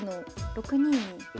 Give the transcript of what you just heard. ６二。